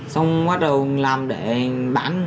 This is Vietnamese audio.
xong bắt đầu làm để bán